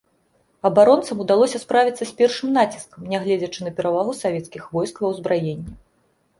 Абаронцам удалося справіцца з першым націскам, нягледзячы на перавагу савецкіх войск ва ўзбраенні.